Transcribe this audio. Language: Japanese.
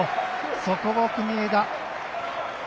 そこを国枝。